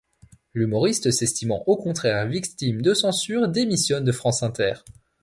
L'humoriste, s'estimant au contraire victime de censure, démissionne de France Inter.